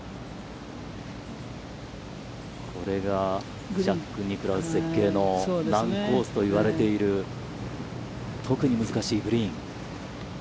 これがジャック・ニクラウス設計の難コースと言われている特に難しいグリーン。